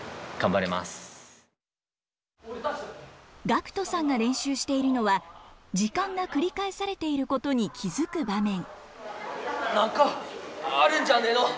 岳斗さんが練習しているのは時間が繰り返されていることに気付く場面。